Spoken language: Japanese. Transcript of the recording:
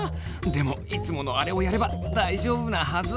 でもいつものあれをやれば大丈夫なはず！